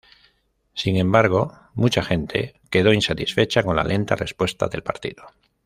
Sin embargo, mucha gente quedó insatisfecha con la lenta respuesta del partido.